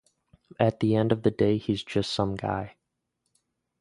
At the end of the day he’s just some guy.